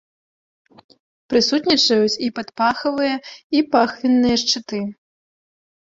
Прысутнічаюць і падпахавыя, і пахвінныя шчыты.